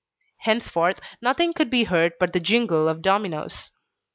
Henceforth nothing could be heard but the jingle of dominoes.